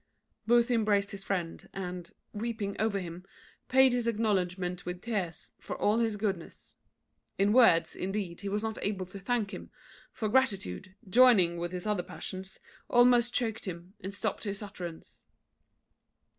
Booth embraced his friend, and, weeping over him, paid his acknowledgment with tears for all his goodness. In words, indeed, he was not able to thank him; for gratitude, joining with his other passions, almost choaked him, and stopt his utterance.